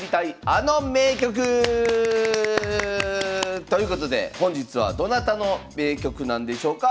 あの名局！ということで本日はどなたの名局なんでしょうか。